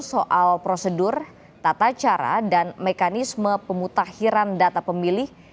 soal prosedur tata cara dan mekanisme pemutahiran data pemilih